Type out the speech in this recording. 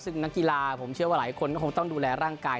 ซึ่งนักกีฬาผมเชื่อว่าหลายคนก็คงต้องดูแลร่างกาย